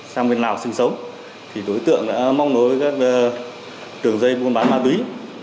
sang miền lào sinh sống thì đối tượng đã mong đối với các đường dây buôn bán ma túy